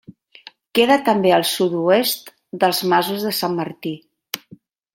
Queda també al sud-oest dels Masos de Sant Martí.